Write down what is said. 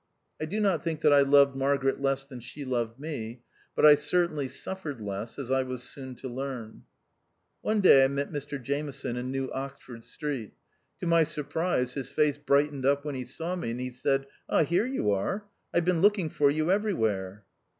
I do not think that I loved Margaret less than she loved me ; but I certainly suffered less, as I was soon to learn. One day I met Mr Jameson in New Oxford Street. To my surprise his face brightened up when he saw me, and he said, " Ah, here you are ! I've been looking for you everywhere."